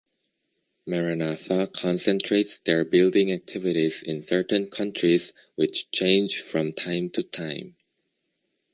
Maranatha concentrates their building activities in certain countries which change from time to time.